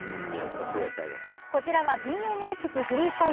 こちらはＢＭＸフリースタイ